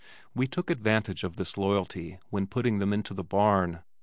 We took advantage of this loyalty when putting them into the barn.